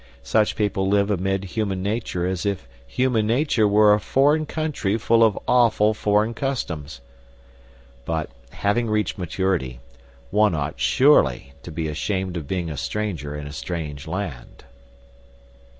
Such people live amid human nature as if human nature were a foreign country full of awful foreign customs. But, having reached maturity, one ought surely to be ashamed of being a stranger in a strange land!